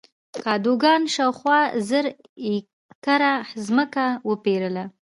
کادوګان شاوخوا زر ایکره ځمکه وپېرله.